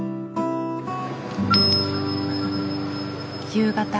夕方。